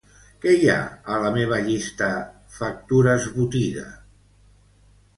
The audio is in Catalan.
Què hi ha a la meva llista "factures botiga"?